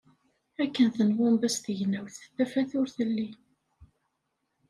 Akken tenɣumbas tegnawt, tafat ur telli.